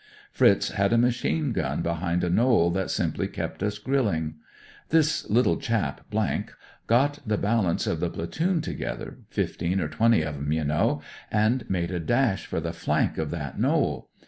Fritz had a machine gun behind a knoll that simply kept us grilling. This little chap, , got the balance of the platoon together — fifteen or twenty of 'em, you know — ^and made a dash for the flank of that knoll.